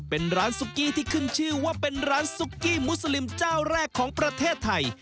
เป็นร้านซุกี้ที่ขึ้นชื่อว่าเป็นร้านซุกกี้มูสลิมเจ้าแรกของประเทศไทย